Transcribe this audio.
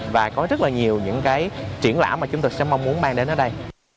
và có rất là nhiều những cái triển lãm mà chúng tôi sẽ mong muốn mang đến ở đây